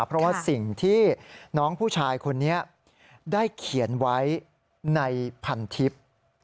เพราะว่าสิ่งที่น้องผู้ชายคนนี้ได้เขียนไว้ในพันทิพย์